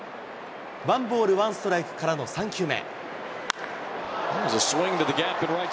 ワンボールワンストライクからの３球目。